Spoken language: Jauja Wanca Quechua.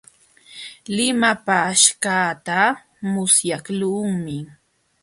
Limapaaśhqaata musyaqlunmi.